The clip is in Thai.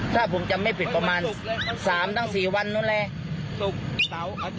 ถ้าผมจำไม่ผิดประมาณ๓๔วันนู้นแหละ